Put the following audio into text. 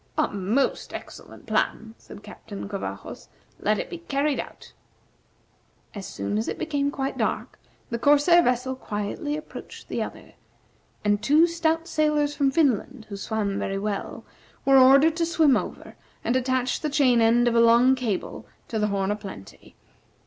"A most excellent plan," said Captain Covajos; "let it be carried out." As soon as it became quite dark, the corsair vessel quietly approached the other, and two stout sailors from Finland, who swam very well, were ordered to swim over and attach the chain end of a long cable to the "Horn o' Plenty."